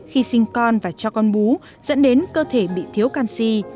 khi sinh con và cho con bú dẫn đến cơ thể bị thiếu canxi